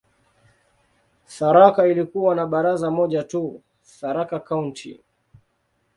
Tharaka ilikuwa na baraza moja tu, "Tharaka County".